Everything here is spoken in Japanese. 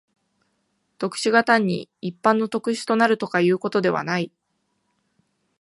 特殊が単に一般の特殊となるとかいうことではない。